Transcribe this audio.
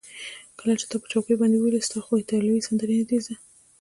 کله چې تا په چوکیو باندې وولي، ستا خو ایټالوي سندرې نه دي زده.